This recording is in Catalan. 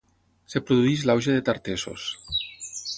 Es produeix l'auge de Tartessos.